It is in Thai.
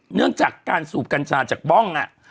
เนื่องจากการสูบกัญชาจากบ้อง